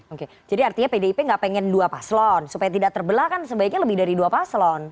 oke jadi artinya pdip nggak pengen dua paslon supaya tidak terbelah kan sebaiknya lebih dari dua paslon